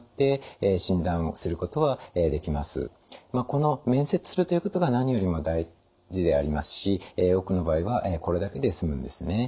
この面接するということが何よりも大事でありますし多くの場合はこれだけで済むんですね。